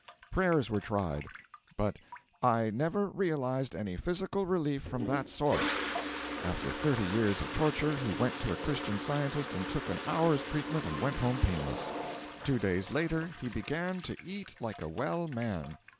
Prayers were tried, but 'I never realised any physical relief from that source.' After thirty years of torture he went to a Christian Scientist and took an hour's treatment and went home painless. Two days later he 'began to eat like a well man.'